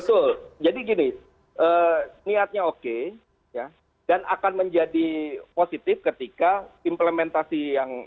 betul jadi gini niatnya oke dan akan menjadi positif ketika implementasi yang